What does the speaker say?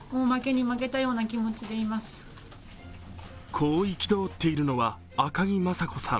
こう憤っているのは赤木雅子さん。